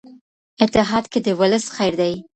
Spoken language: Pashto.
اتحاد کې د ولس خیر دی.